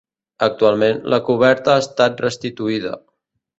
Actualment, la coberta ha estat restituïda.